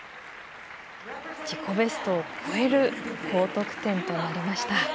自己ベストを超える高得点となりました。